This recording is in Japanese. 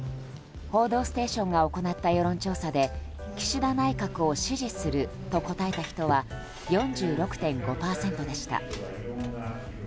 「報道ステーション」が行った世論調査で岸田内閣を支持すると答えた人は４６．５％でした。